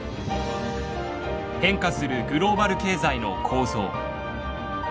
変化するグローバル経済の構造。